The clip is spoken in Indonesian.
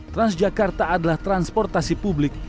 transjakarta adalah transportasi publik